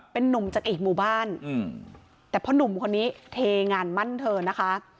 เป็นนุ่มจากเอกหมู่บ้านแต่พ่อหนุ่มคนนี้เทงานมั่นเธอนะคะ